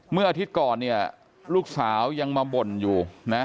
เมื่ออาทิตย์ก่อนเนี่ยลูกสาวยังมาบ่นอยู่นะ